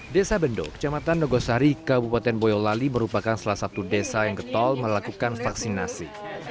desa bendok kecamatan nogosari kabupaten boyolali merupakan salah satu desa yang getol melakukan vaksinasi